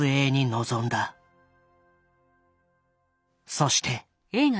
そして。